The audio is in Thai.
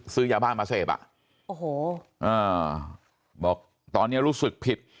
ซื้อยาบ้ามาเสพอ่ะโอ้โหอ่าบอกตอนนี้รู้สึกผิด